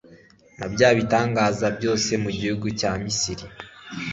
na bya bitangaza byose mu gihugu cya misiri